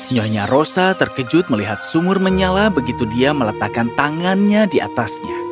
nyonya rosa terkejut melihat sumur menyala begitu dia meletakkan tangannya di atasnya